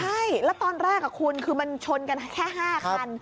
ใช่แล้วตอนแรกคุณคือมันชนกันแค่๕คัน